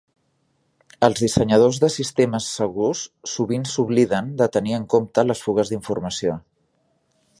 Els dissenyadors de sistemes segurs sovint s'obliden de tenir en compte les fugues d'informació.